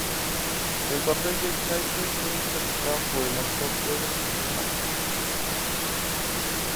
El papel de Jaime fue interpretado por el actor Pedro Miguel Martínez.